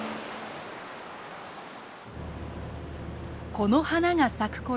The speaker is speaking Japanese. この花が咲くころ